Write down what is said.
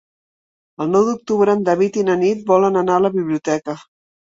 El nou d'octubre en David i na Nit volen anar a la biblioteca.